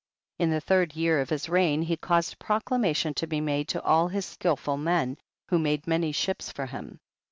9. In the third year of his reign he caused a proclamation to be made to all his skilful men, who made many ships for him.